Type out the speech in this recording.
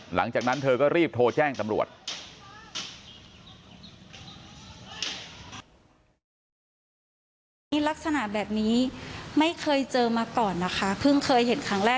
หลังจากนั้นเธอก็รีบโทรแจ้งตำรวจ